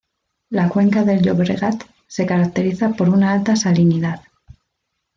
La cuenca del Llobregat se caracteriza por una alta salinidad.